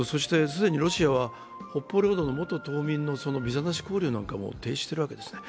既にロシアは北方領土の元島民のビザなし交流なども停止しているわけですね。